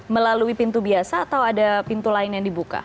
melalui pintu biasa atau ada pintu lain yang dibuka